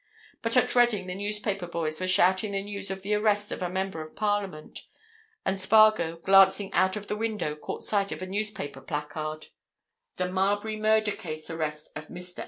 But at Reading the newspaper boys were shouting the news of the arrest of a Member of Parliament, and Spargo, glancing out of the window, caught sight of a newspaper placard: THE MARBURY MURDER CASE ARREST OF MR.